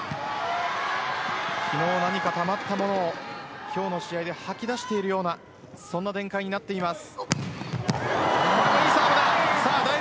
昨日、何かたまったものを今日の試合ではき出しているようなそんな展開になっています。